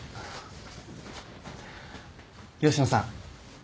吉野さん